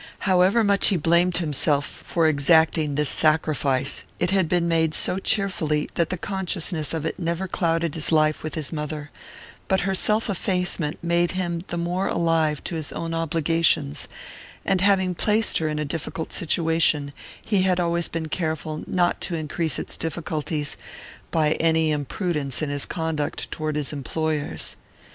However much he blamed himself for exacting this sacrifice, it had been made so cheerfully that the consciousness of it never clouded his life with his mother; but her self effacement made him the more alive to his own obligations, and having placed her in a difficult situation he had always been careful not to increase its difficulties by any imprudence in his conduct toward his employers.